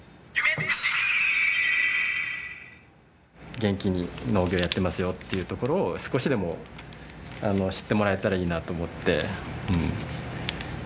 元気に農業をやっていますよっていうところを少しでも知ってもらえたらいいなと思ってやってます。